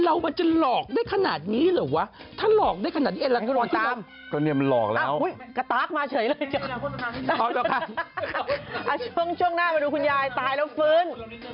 เอาช่วงหน้ามาดูคุณยายตายแล้วฟื้น